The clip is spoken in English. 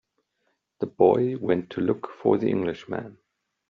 The boy went to look for the Englishman.